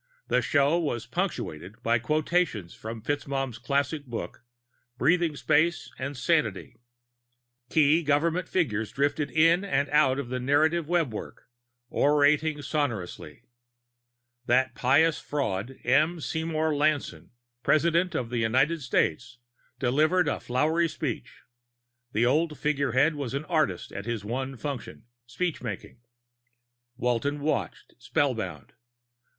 The show was punctuated by quotations from FitzMaugham's classic book, Breathing Space and Sanity. Key government figures drifted in and out of the narrative webwork, orating sonorously. That pious fraud, M. Seymour Lanson, President of the United States, delivered a flowery speech; the old figurehead was an artist at his one function, speechmaking. Walton watched, spellbound.